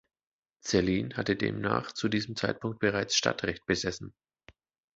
Zellin hatte demnach zu diesem Zeitpunkt bereits Stadtrecht besessen.